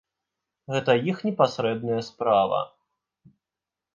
Гэта іх непасрэдная справа.